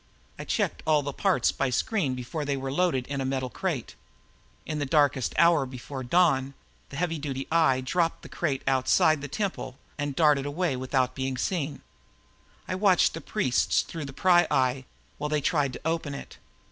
I checked all the parts by screen before they were loaded in a metal crate. In the darkest hour before dawn, the heavy duty eye dropped the crate outside the temple and darted away without being seen. I watched the priests through the pryeye while they tried to open it.